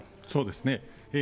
そうですね。